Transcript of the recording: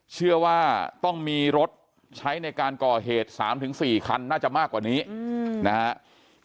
เชื่อว่าต้องมีรถใช้ในการก่อเหตุ๓๔คันน่าจะมากกว่านี้นะครับ